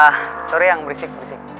ah sorry yang berisik